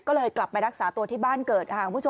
ก็เลยกลับไปรักษาตัวที่บ้านเกิด